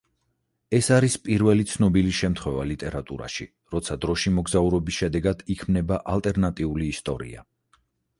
ეს არის პირველი ცნობილი შემთხვევა ლიტერატურაში, როცა დროში მოგზაურობის შედეგად იქმნება ალტერნატიული ისტორია.